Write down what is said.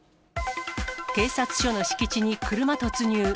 警察署の敷地に車突入。